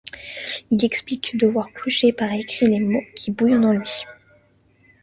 Il explique devoir coucher par écrit les mots qui bouillonnent en lui.